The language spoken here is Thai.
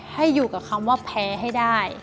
ให้อยู่กับคำว่าแพ้ให้ได้